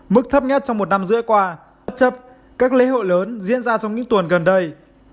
mức thấp nhất trong một năm rưỡi qua bất chấp các lễ hội lớn diễn ra trong những tuần gần đây